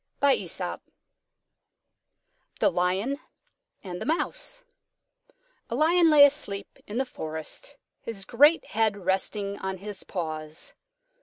_ THE LION AND THE MOUSE A Lion lay asleep in the forest, his great head resting on his paws.